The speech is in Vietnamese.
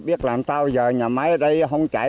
biết làm sao giờ nhà máy ở đây không cháy